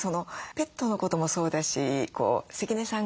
ペットのこともそうだし関根さん